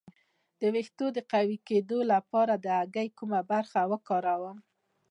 د ویښتو د قوي کیدو لپاره د هګۍ کومه برخه وکاروم؟